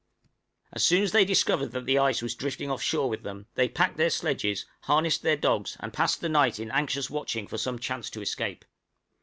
{NARROW ESCAPE.} As soon as they discovered that the ice was drifting off shore with them, they packed their sledges, harnessed their dogs, and passed the night in anxious watching for some chance to escape.